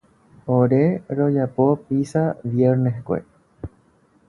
Ore rojapo pizza vierneskue.